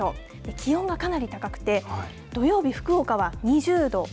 気温がかなり高くて、土曜日、福岡は２０度。